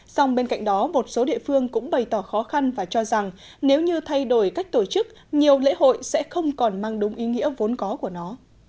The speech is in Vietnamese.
song bên cạnh đó một số địa phương cũng bày tỏ khó khăn và cho rằng nếu như thay đổi cách tổ chức nhiều lễ hội sẽ không còn mang đúng ý nghĩa vốn có của nó